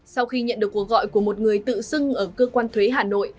sau khi nhận được cuộc gọi của một người tự xưng ở cơ quan thuế hà nội